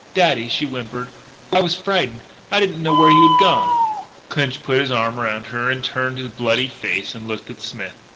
"Daddy," she whimpered, "I was frightened. I didn't know where you had gone " Clinch put his arm around her, turned his bloody face and looked at Smith.